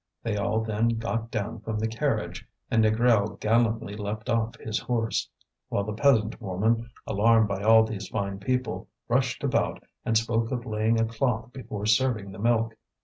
They all then got down from the carriage, and Négrel gallantly leapt off his horse; while the peasant woman, alarmed by all these fine people, rushed about, and spoke of laying a cloth before serving the milk.